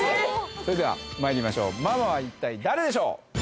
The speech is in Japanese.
それではまいりましょうママは一体誰でしょう？